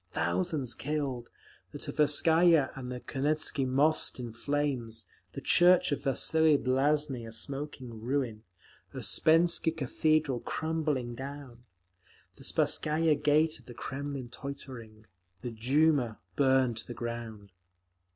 Thousands killed; the Tverskaya and the Kuznetsky Most in flames; the church of Vasili Blazheiny a smoking ruin; Usspensky Cathedral crumbling down; the Spasskaya Gate of the Kremlin tottering; the Duma burned to the ground.